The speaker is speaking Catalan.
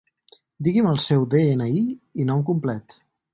Digui'm el seu de-ena-i i nom complet.